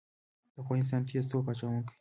د افغانستان تیز توپ اچوونکي